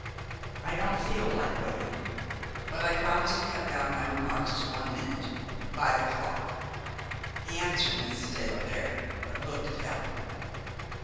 "I don't feel like waiting; but I promise to cut down my remarks to one minute by the clock." He answered Mrs. de la Vere, but looked at Helen.